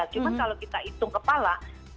cuma kalau kita hitung kepala